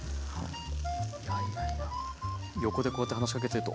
横でこうやって話しかけてると。